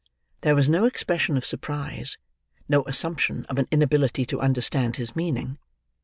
There was no expression of surprise, no assumption of an inability to understand his meaning.